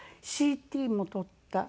ＣＴも撮った。